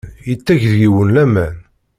Yetteg deg-wen laman.